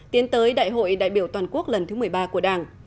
tiến tới đại hội đại biểu toàn quốc lần thứ một mươi ba của đảng